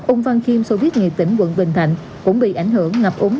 úng văn kim sô viết nghị tỉnh quận bình thạnh cũng bị ảnh hưởng ngập úng